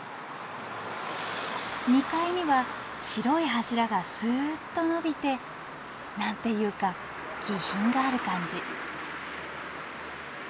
２階には白い柱がスッと伸びて何ていうか気品がある感じ。